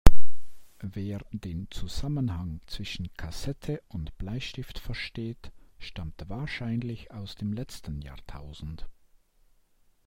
Wer den Zusammenhang zwischen Kassette und Bleistift versteht, stammt wahrscheinlich aus dem letzten Jahrtausend.